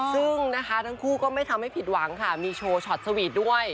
ซึ่งนะคะทั้งคู่ก็ไม่ทำให้ผิดหวังค่ะมีโชว์ช็อตสวีทด้วย